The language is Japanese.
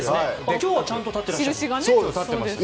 今日はちゃんと立っていらっしゃいますね。